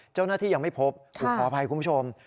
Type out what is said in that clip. เจ้าหน้าที่ยังไม่พบขออภัยคุณผู้ชม